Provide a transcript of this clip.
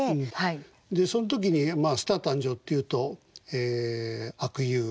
でその時に「スター誕生！」っていうと阿久悠